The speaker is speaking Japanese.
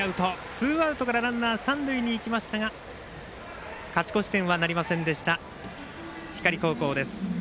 ツーアウトからランナー、三塁に行きましたが勝ち越し点はなりませんでした光高校です。